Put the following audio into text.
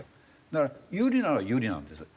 だから有利なのは有利なんですよ。